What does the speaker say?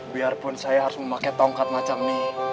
biarpun saya harus memakai tongkat macam nih